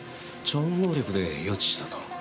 超能力で予知したと。